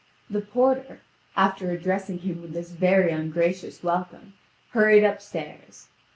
The porter, after addressing him with this very ungracious welcome, hurried upstairs.